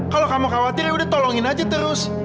kalau kamu khawatir yaudah tolongin aja terus